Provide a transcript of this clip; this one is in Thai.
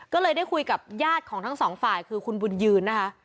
ก็เลยได้คุยกับญาติของทั้งสองฝ่ายคือคุณบุญยืนนะคะ